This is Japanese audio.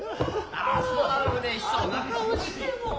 ああ嬉しそうな顔してもう。